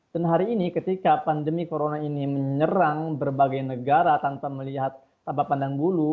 dan hari ini ketika pandemi corona ini menyerang berbagai negara tanpa melihat tabak pandang bulu